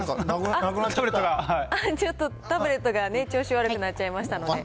ちょっとタブレットがね、調子悪くなっちゃいましたので。